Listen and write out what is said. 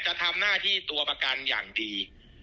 จะทำหน้าที่ตัวประกันอย่างดี